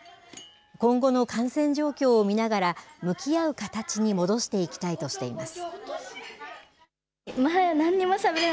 今後の感染状況を見ながら向き合う形に戻していきたいとしています。